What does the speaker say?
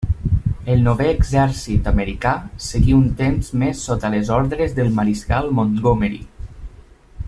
El Novè Exèrcit americà seguí un temps més sota les ordres del Mariscal Montgomery.